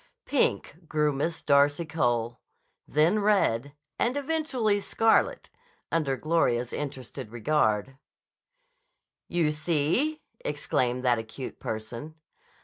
Pink grew Miss Darcy Cole; then red, and eventually scarlet, under Gloria's interested regard. "You see!" exclaimed that acute person.